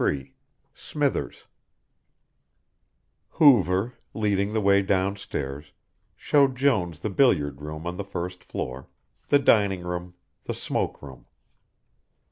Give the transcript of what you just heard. CHAPTER XXIII SMITHERS Hoover, leading the way downstairs, shewed Jones the billiard room on the first floor, the dining room, the smoke room.